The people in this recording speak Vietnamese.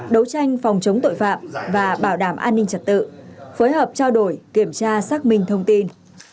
đấu tranh phòng chống tội phạm và bảo đảm an ninh trật tự phối hợp trao đổi kiểm tra xác minh thông tin